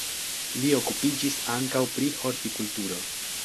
Li okupiĝis ankaŭ pri hortikulturo.